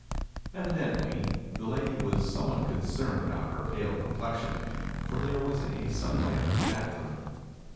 Evidently, the lady was somewhat concerned about her pale complexion, for there was a sun lamp in the bathroom.